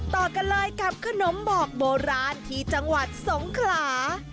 ต่อกันเลยกับขนมบอกโบราณที่จังหวัดสงขลา